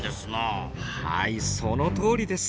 そのとおりです。